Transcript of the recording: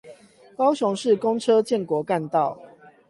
高雄市公車建國幹線